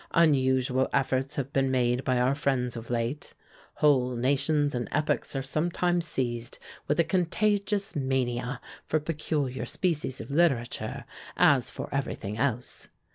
Unusual efforts have been made by our friends of late. Whole nations and epochs are sometimes seized with a contagious mania for peculiar species of literature, as for everything else.